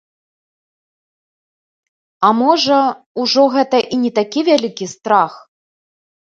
А можа, ужо гэта і не такі вялікі страх?